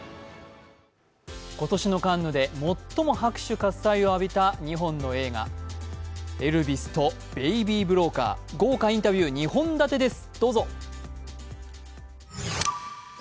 今年のカンヌで最も拍手喝采を浴びた２本の映画「エルヴィス」と「ベイビー・ブローカー」、豪華インタビュー、２本立てです。